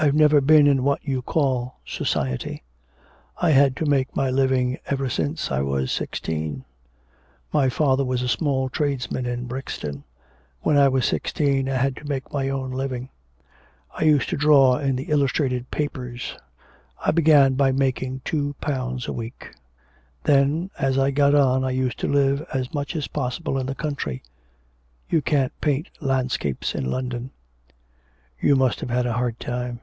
I've never been in what you call society. I had to make my living ever since I was sixteen. My father was a small tradesman in Brixton. When I was sixteen I had to make my own living. I used to draw in the illustrated papers. I began by making two pounds a week. Then, as I got on, I used to live as much as possible in the country. You can't paint landscapes in London.' 'You must have had a hard time.'